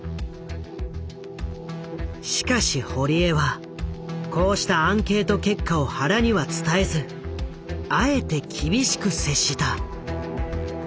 しかし堀江はこうしたアンケート結果を原には伝えずあえて厳しく接した。